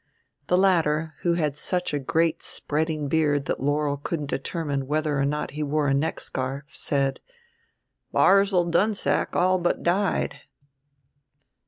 The latter, who had such a great spreading beard that Laurel couldn't determine whether or not he wore a neck scarf, said: "Barzil Dunsack all but died."